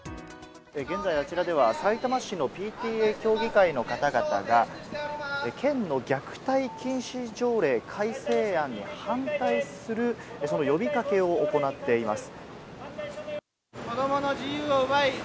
現在、あちらでは、さいたま市のＰＴＡ協議会の方々が県の虐待禁止条例改正案に反対する、その呼び掛けを行っています。